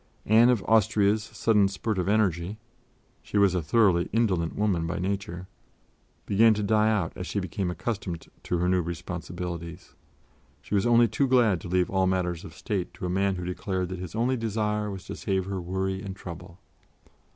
Anne of Austria's sudden spurt of energy she was a thoroughly indolent woman by nature began to die out as she became accustomed to her new responsibilities; she was only too glad to leave all matters of State to a man who declared that his only desire was to save her worry and trouble.